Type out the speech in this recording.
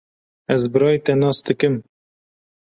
Ez birayê te nas dikim.